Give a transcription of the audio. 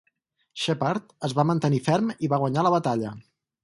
Shepard es va mantenir ferm i va guanyar la batalla.